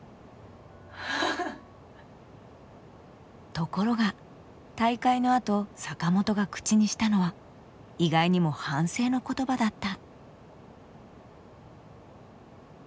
ところが大会のあと坂本が口にしたのは意外にも反省の言葉だった。